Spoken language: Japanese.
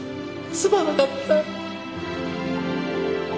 すまなかった！